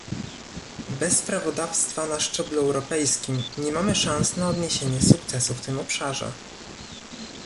Bez prawodawstwa na szczeblu europejskim nie mamy szans na odniesienie sukcesu w tym obszarze